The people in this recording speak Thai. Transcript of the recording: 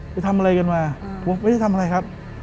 ไปทำอะไรกันมาผมไม่ได้ทำอะไรครับ